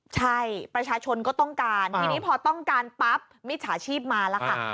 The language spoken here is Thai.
ใช่ประชาชนก็ต้องการทีนี้พอต้องการปั๊บมิจฉาชีพมาแล้วค่ะ